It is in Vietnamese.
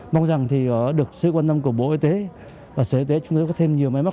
mong rằng được sự quan tâm của bộ y tế và sở y tế chúng tôi có thêm nhiều máy móc